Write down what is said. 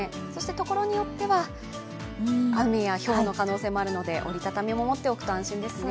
所によっては雨やひょうの可能性もあるので折り畳みも持っておくと安心ですね。